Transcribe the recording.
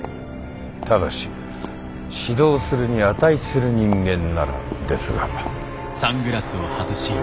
ただし指導するに値する人間ならですが。